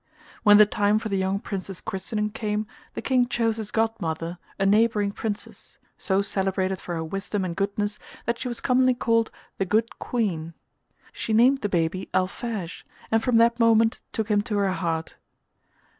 When the time for the young Prince's christening came the King chose as godmother a neighbouring Princess, so celebrated for her wisdom and goodness that she was commonly called 'the Good Queen.' She named the baby Alphege, and from that moment took him to her heart.